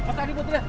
apa tadi buat dia